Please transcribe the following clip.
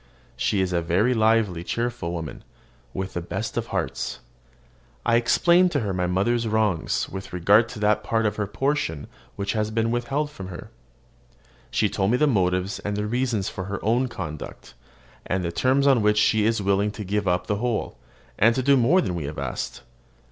She is a lively, cheerful woman, with the best of hearts. I explained to her my mother's wrongs with regard to that part of her portion which has been withheld from her. She told me the motives and reasons of her own conduct, and the terms on which she is willing to give up the whole, and to do more than we have asked.